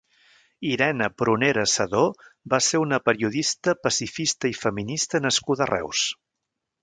Irene Prunera Sedó va ser una periodista, pacifista i feminista nascuda a Reus.